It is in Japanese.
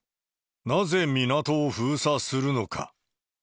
なぜ港を封鎖するのか。